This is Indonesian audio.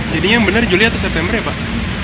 jadinya yang benar juli atau september ya pak